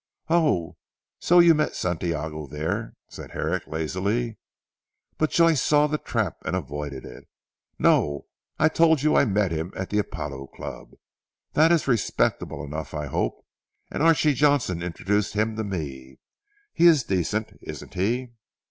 "Oh. So you met Santiago there," said Herrick lazily. But Joyce saw the trap and avoided it. "No! I told you I met him at the Apollo Club that is respectable enough I hope? And Archy Johnstone introduced him to me. He is decent, isn't he?"